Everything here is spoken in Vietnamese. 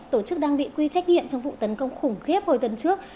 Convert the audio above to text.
tổ chức đang bị quy trách nhiệm trong vụ tấn công khủng khiếp hồi tuần trước